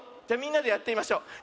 じゃみんなでやってみましょう。